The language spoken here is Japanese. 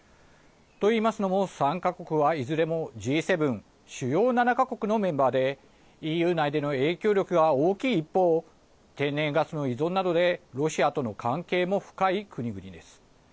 といいますのも３か国は、いずれもＧ７＝主要７か国のメンバーでＥＵ内での影響力が大きい一方天然ガスの依存などでロシアとの関係も深い国々です。